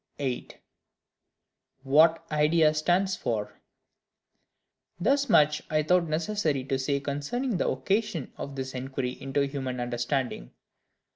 8. What Idea stands for. Thus much I thought necessary to say concerning the occasion of this inquiry into human Understanding.